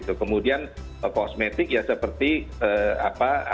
artinya dia bisa aktivitas seksual dan sebagainya